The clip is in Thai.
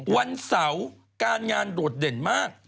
วันเสาร์การงานโดดเด่นมาก